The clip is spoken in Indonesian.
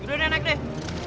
gini deh naik deh